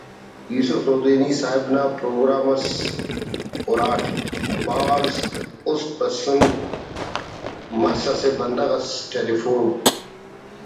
یوسف رودینی صاحب نا پروگرام اس ہراٹ بھاز است ہسون مس اسہ بندغ اس ٹیلفون